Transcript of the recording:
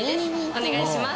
お願いします。